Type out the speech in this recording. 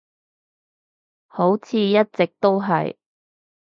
好似一直都係